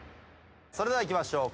それではいきましょう。